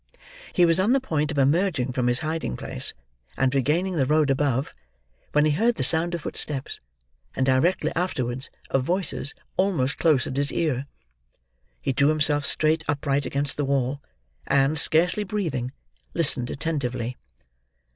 He was on the point of emerging from his hiding place, and regaining the road above, when he heard the sound of footsteps, and directly afterwards of voices almost close at his ear. He drew himself straight upright against the wall, and, scarcely breathing, listened attentively.